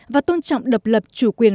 và tôn trọng đập lập chủ quyền